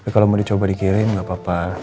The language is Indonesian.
kalau mau dicoba dikirim nggak apa apa